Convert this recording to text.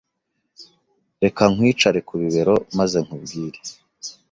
Reka nkwicare ku bibero maze nkubwire